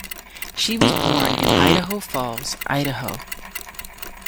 She was born in Idaho Falls, Idaho.